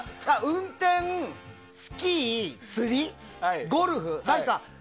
運転、スキー、釣り、ゴルフ。